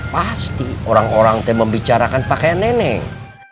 pasti orang orang membicarakan pakai nenek